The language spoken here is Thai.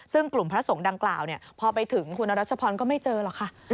ซึ่งกลุ่มพระสงฆ์ดังกล่าวพอไปถึงคุณรัชพรก็ไม่เจอหรอกค่ะ